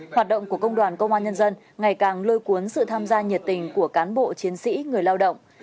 hoạt động của công đoàn công an nhân dân ngày càng lôi cuốn sự tham gia nhiệt tình của cán bộ chiến sĩ người lao động